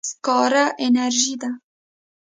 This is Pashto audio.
سکاره انرژي ده.